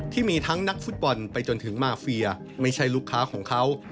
ที่มีทั้งนักฟุตบอลไปจนถึงมาเฟียไม่ใช่ลูกค้าของเขา